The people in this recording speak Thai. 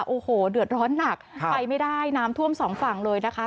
โอ้โหเดือดร้อนหนักไปไม่ได้น้ำท่วมสองฝั่งเลยนะคะ